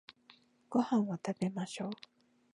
ご飯を食べましょう